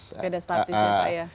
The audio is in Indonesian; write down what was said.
sepeda statis ya pak ya